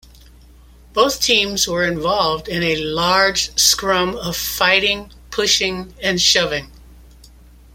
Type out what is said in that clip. Both teams were involved in a large scrum of fighting, pushing, and shoving.